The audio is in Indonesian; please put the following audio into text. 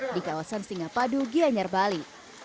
di kawasan singapadu gianyar bali